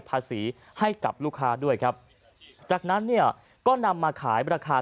ภาษีให้กับลูกค้าด้วยครับจากนั้นเนี่ยก็นำมาขายราคา